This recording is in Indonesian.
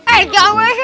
eh jangan beres